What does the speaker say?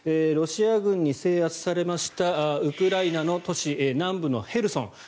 ロシア軍に制圧されましたウクライナの都市南部のヘルソン